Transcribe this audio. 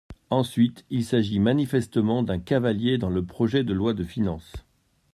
Ensuite, il s’agit manifestement d’un cavalier dans le projet de loi de finances.